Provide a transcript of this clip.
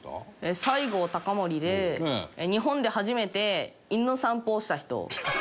西郷隆盛で日本で初めて犬の散歩をした人。